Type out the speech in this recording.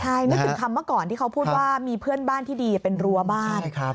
ใช่นึกถึงคำเมื่อก่อนที่เขาพูดว่ามีเพื่อนบ้านที่ดีเป็นรั้วบ้าน